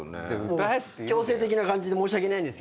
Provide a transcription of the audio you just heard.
強制的な感じで申し訳ないんですけど。